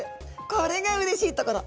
これがうれしいところ。